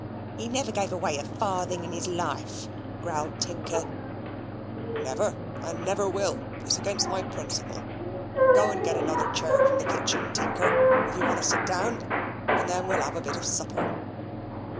"He never gave away a farthing in his life," growled Tinker. "Never, and never will: it's against my principle. Go and get another chair from the kitchen, Tinker, if you want to sit down; and then we'll have a bit of supper."